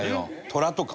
トラとか。